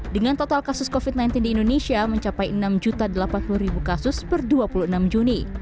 dengan total kasus covid sembilan belas di indonesia mencapai enam delapan puluh kasus per dua puluh enam juni